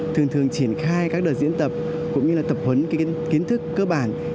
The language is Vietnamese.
thường thường triển khai các đợt diễn tập cũng như là tập huấn kiến thức cơ bản